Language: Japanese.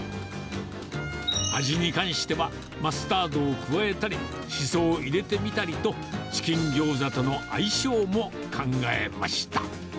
味に関しては、マスタードを加えたり、しそを入れてみたりと、チキンぎょうざとの相性も考えました。